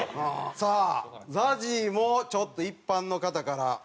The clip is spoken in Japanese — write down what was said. さあＺＡＺＹもちょっと一般の方からいただいてますか。